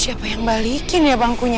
siapa yang balikin ya bangkunya